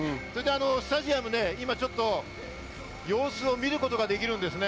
スタジアムね、今、様子を見ることができるんですね。